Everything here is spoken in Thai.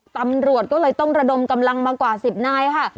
ตำรวจก็เลยต้องระดมกำลังมากว่า๑๐นายค่ะ